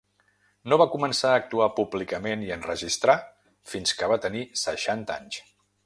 No va començar a actuar públicament i enregistrar fins que va tenir seixanta anys.